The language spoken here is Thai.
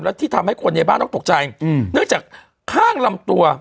และที่ทำให้คนในบ้านต้องตกใจเนื่องจากข้างลำตัว